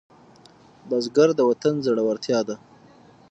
بزګر د وطن زړورتیا ده